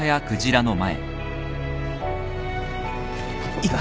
いいか？